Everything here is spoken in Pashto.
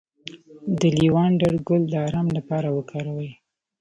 د لیوانډر ګل د ارام لپاره وکاروئ